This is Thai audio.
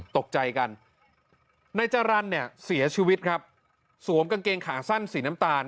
ตกใจกันนายจรรย์เนี่ยเสียชีวิตครับสวมกางเกงขาสั้นสีน้ำตาล